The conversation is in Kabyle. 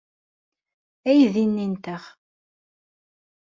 Aydi-nni nteɣ.